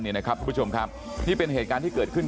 ทุกผู้ชมครับนี่เป็นเหตุการณ์ที่เกิดขึ้น